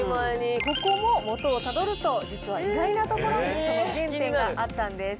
ここもモトをタドルと実は意外なところにその原点があったんです。